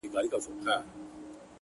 ته راته ووایه چي څنگه به جنجال نه راځي ـ